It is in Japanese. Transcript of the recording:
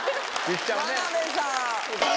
言っちゃうね。